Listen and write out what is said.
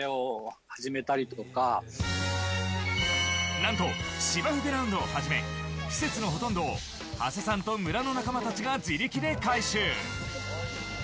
何と芝生グラウンドをはじめ施設のほとんどを長谷さんと村の仲間たちが自力で改修。